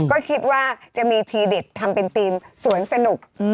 ก็คิดว่าจะมีทีเด็ดทำเป็นธีมสวนสนุก